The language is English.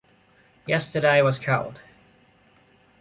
Yesterday was cold.